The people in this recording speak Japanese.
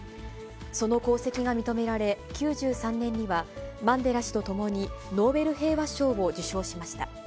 その功績が認められ、９３年には、マンデラ氏と共にノーベル平和賞を受賞しました。